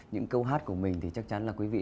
những câu hát của mình thì chắc chắn là quý vị